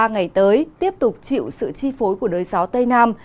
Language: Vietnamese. ba ngày tới tiếp tục chịu sự chi phối của đới gió tây nam